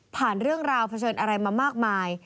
เรื่องราวเผชิญอะไรมามากมาย